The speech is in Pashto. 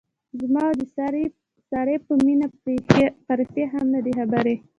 زما او د سارې په مینه پریښتې هم نه دي خبرې.